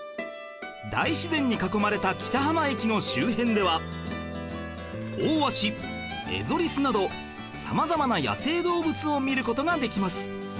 大自然に囲まれた北浜駅の周辺ではオオワシエゾリスなど様々な野生動物を見る事ができます